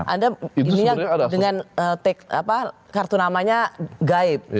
anda ininya dengan kartu namanya gaib